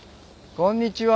こんにちは。